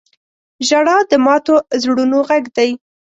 • ژړا د ماتو زړونو غږ دی.